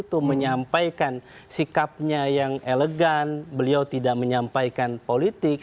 itu menyampaikan sikapnya yang elegan beliau tidak menyampaikan politik